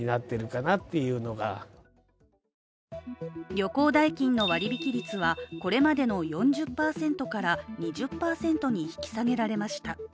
旅行代金の割引率はこれまでの４０％から２０％に引き下げられました。